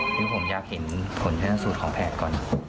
คือผมอยากเห็นผลชนะสูตรของแพทย์ก่อน